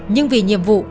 nhưng vì nhiệm vụ